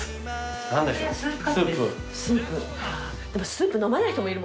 でもスープ飲まない人もいるもんね。